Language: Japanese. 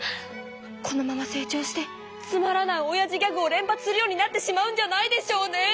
このまま成長してつまらないおやじギャグを連発するようになってしまうんじゃないでしょうね。